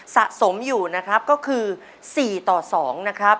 สะสมอยู่นะครับก็คือ๔ต่อ๒นะครับ